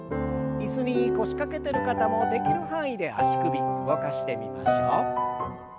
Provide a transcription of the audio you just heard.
椅子に腰掛けてる方もできる範囲で足首動かしてみましょう。